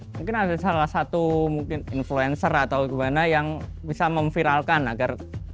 mungkin ada salah satu mungkin influencer atau gimana yang bisa memviralkan agar